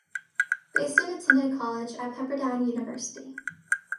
Baisden attended college at Pepperdine University.